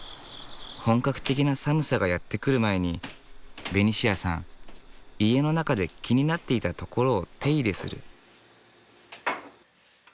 本格的な寒さがやって来る前にベニシアさん家の中で気になっていたところを手入れする。